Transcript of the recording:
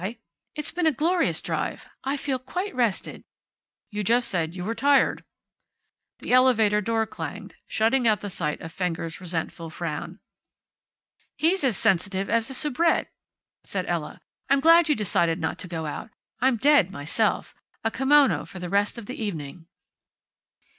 It's been a glorious drive. I feel quite rested." "You just said you were tired." The elevator door clanged, shutting out the sight of Fenger's resentful frown. "He's as sensitive as a soubrette," said Ella. "I'm glad you decided not to go out. I'm dead, myself. A kimono for the rest of the evening."